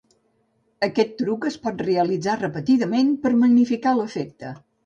Aquest truc es pot realitzar repetidament per magnificar l'efecte.